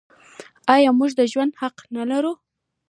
آیا موږ د ژوند حق نلرو؟